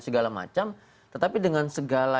segala macam tetapi dengan segala